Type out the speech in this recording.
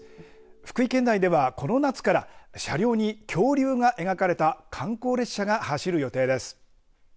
福井県内では、この夏から車両に恐竜が描かれた観光列車が走る予定です。